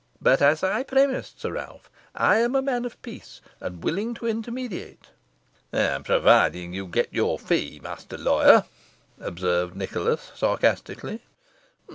But as I premised, Sir Ralph, I am a man of peace, and willing to intermediate." "Provided you get your fee, master lawyer," observed Nicholas, sarcastically.